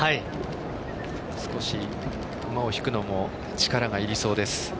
少し馬を引くのも力がいりそうです。